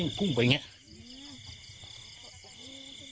หญิงบอกว่าจะเป็นพี่ปวกหญิงบอกว่าจะเป็นพี่ปวก